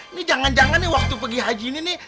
ini jangan jangan nih waktu pergi haji ini nih